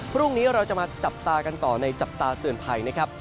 พรุ่งนี้เราจะมาจับตากันต่อในจับตาเตือนภัยนะครับ